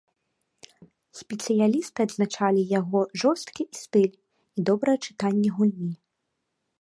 Спецыялісты адзначалі яго жорсткі стыль і добрае чытанне гульні.